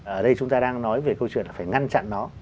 ở đây chúng ta đang nói về câu chuyện là phải ngăn chặn nó